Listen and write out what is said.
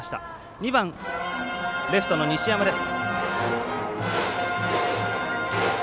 ２番、レフトの西山です。